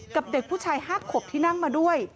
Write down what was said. เด็กผู้ชาย๕ขวบที่นั่งมาด้วย